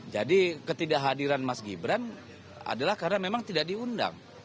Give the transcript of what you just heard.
jadi ketidakhadiran mas gibran adalah karena memang tidak diundang